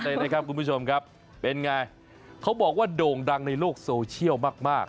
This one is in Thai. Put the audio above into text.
เลยนะครับคุณผู้ชมครับเป็นไงเขาบอกว่าโด่งดังในโลกโซเชียลมากมาก